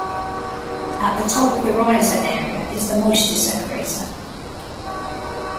At the top of the riser area is the moisture separator.